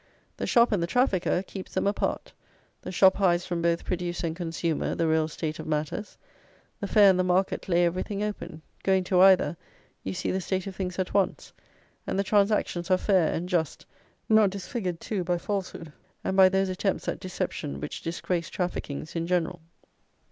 The shop and the trafficker keeps them apart; the shop hides from both producer and consumer the real state of matters. The fair and the market lay everything open: going to either, you see the state of things at once; and the transactions are fair and just, not disfigured, too, by falsehood, and by those attempts at deception which disgrace traffickings in general.